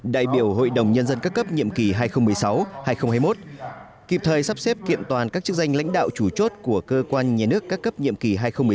đại biểu hội đồng nhân dân các cấp nhiệm kỳ hai nghìn một mươi sáu hai nghìn hai mươi một kịp thời sắp xếp kiện toàn các chức danh lãnh đạo chủ chốt của cơ quan nhà nước các cấp nhiệm kỳ hai nghìn một mươi sáu hai nghìn hai mươi một